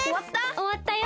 おわったよ。